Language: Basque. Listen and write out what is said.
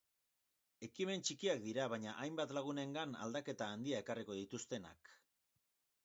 Ekimen txikiak dira, baina hainbat lagunengan aldaketa handia ekarriko dituztenak.